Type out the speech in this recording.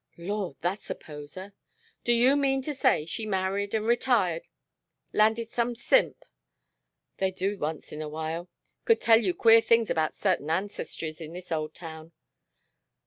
"Lord, that's a poser! Do you mean to say she married and retired landed some simp? They do once in a while. Could tell you queer things about certain ancestries in this old town."